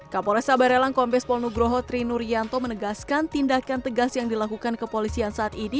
kapolresa barelang kompes polnugroho trinur yanto menegaskan tindakan tegas yang dilakukan kepolisian saat ini